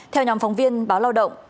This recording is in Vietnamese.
theo nhóm phóng viên báo lao động